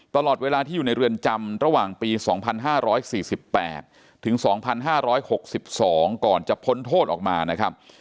ตลอดเวลาที่อยู่ในเรือนจำระหว่างปี๒๕๔๘ถึง๒๕๖๒ก่อนจะพ้นโทษออกมานะครับ